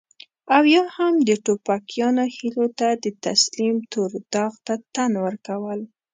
او يا هم د ټوپکيانو هيلو ته د تسليم تور داغ ته تن ورکول.